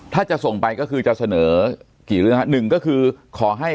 ถ้าจะส่งไปก็คือจะเสนอกี่เรื่องฮะหนึ่งก็คือขอให้